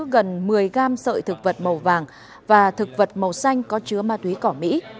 gần một mươi gam sợi thực vật màu vàng và thực vật màu xanh có chứa ma túy cỏng mỹ